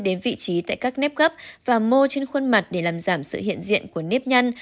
đến vị trí tại các nếp gấp và mô trên khuôn mặt để làm giảm sự hiện diện của nếp nhân